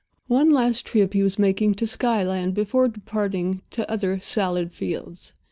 One last trip he was making to Skyland before departing to other salad fields.